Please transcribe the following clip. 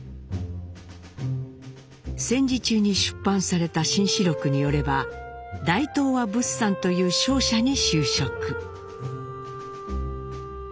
戦時中に出版された紳士録によれば大東亜物産という商社に就職。